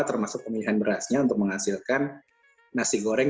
termasuk pemilihan berasnya untuk menghasilkan nasi goreng